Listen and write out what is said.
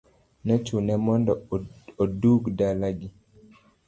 Nochune mondo odug dala gi.